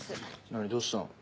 何どうしたの？